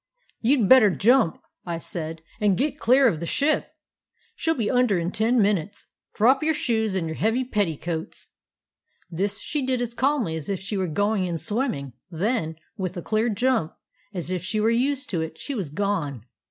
" 'You 'd better jump,' I said, 'and get clear of the ship. She 'll be under in ten min utes. Drop your shoes and your heavy petti coats.' "This she did as calmly as if she were going in swimming; then, with a clear jump, as if she were used to it, she was gone.